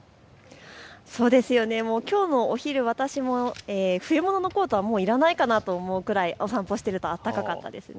きょうのお昼、私も冬物のコートはいらないかなと思うくらいお散歩していると暖かかったです。